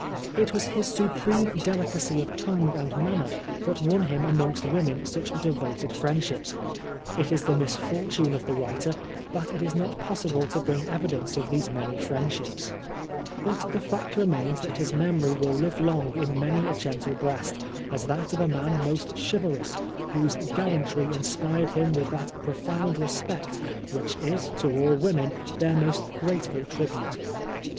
It was his supreme delicacy of tongue and manner that won him amongst women such devoted friendships. It is the misfor tune of the writer that it is not possible to bring evidence of these many friendships, 12 Oscar Wilde but the fact remains that his memory will live long in many a gentle breast as that of a man most chivalrous, whose gallantry in spired him with that profound respect which is to all women their most grateful tribute.